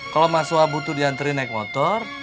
kalau mas sua butuh dianterin naik motor